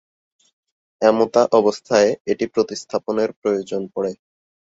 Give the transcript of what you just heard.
এমতাবস্থায় এটি প্রতিস্থাপনের প্রয়োজন পড়ে।